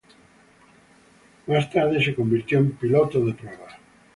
Más tarde se convirtió en piloto de pruebas.